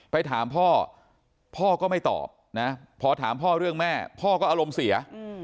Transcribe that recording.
ไปถามพ่อพ่อก็ไม่ตอบนะพอถามพ่อเรื่องแม่พ่อก็อารมณ์เสีย